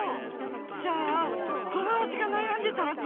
じゃあ友だちがなやんでたらどうするの？